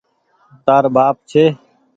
تآر ٻآپ ڇي۔